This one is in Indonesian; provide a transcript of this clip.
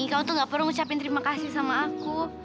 kamu tuh nggak perlu ngucapin terima kasih sama aku